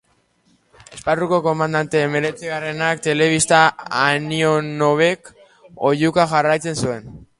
Esparruko komandante Xixtvanionovek oihuka jarraitzen zuen.